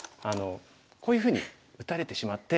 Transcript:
こういうふうに打たれてしまって。